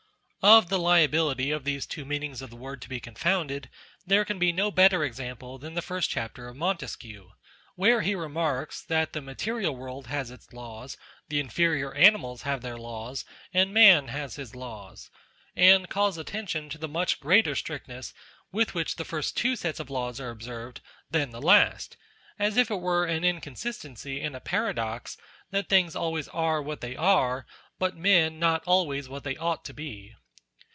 Of the liability of these two mean ings of the word to be confounded there can be no better example than the first chapter of Montesquieu ; where he remarks, that the material world has its laws, the inferior animals have their laws, and man has NATURE his laws; and calls attention to the much greater strictness with which the first two sets of laws are observed, than the last ; as if it were an inconsistency, and a paradox, that things always are what they are, but men not always what they ought to be.